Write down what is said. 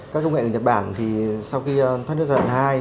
các công nghệ ở nhật bản thì sau khi thoát nước giai đoạn hai